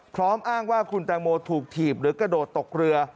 พร้อมอ้างว่าคุณแตงโมถูกถีบหรือกระโดดตกเรือ